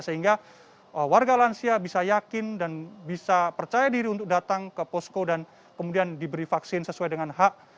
sehingga warga lansia bisa yakin dan bisa percaya diri untuk datang ke posko dan kemudian diberi vaksin sesuai dengan hak